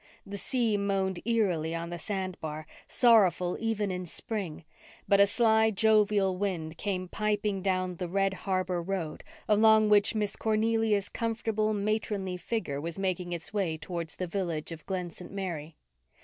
The sea moaned eerily on the sand bar, sorrowful even in spring, but a sly, jovial wind came piping down the red harbour road along which Miss Cornelia's comfortable, matronly figure was making its way towards the village of Glen St. Mary.